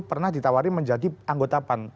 pernah ditawari menjadi anggotapan